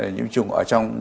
nhiễm trùng ở trong